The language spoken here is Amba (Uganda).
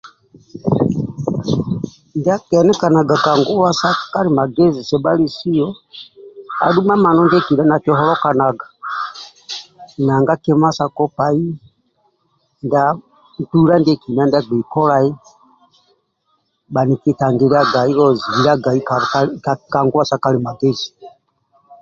Ndia akienikanaga ka nguwa sa kalimagezi sebhalisio adhu mamano ndiekina nakiholokanaga nanga kima sa kopai ka ntula ndiekina ndia agbei kolai bhaniki tangiliagai zibiliagai ka nguwa sa kalimagezi